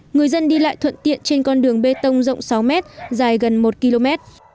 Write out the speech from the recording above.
người dân đi lại thuận tiện trên con đường bê tông rộng sáu mét dài gần một km